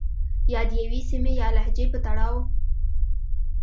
يا د يوې سيمې يا لهجې په تړاو